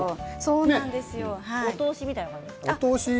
お通しみたいな感じですか。